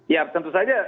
ya tentu saja